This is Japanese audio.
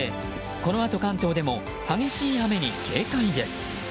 このあと関東でも激しい雨に警戒です。